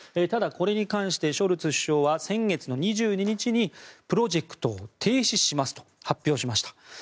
ただ、これに関してショルツ首相は先月２２日にプロジェクトを停止しますと発表しました。